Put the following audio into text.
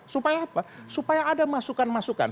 supaya apa supaya ada masukan masukan